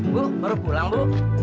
bu baru pulang bu